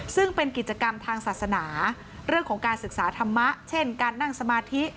ซึ่งเป็นกิจกรรมทางศาสนาเรื่องของการศึกษาธรรมะเช่นการนั่งสมาธิ